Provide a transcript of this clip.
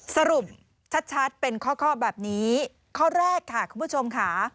สรุปชัดเป็นข้อแบบนี้ข้อแรกค่ะคุณผู้ชมค่ะ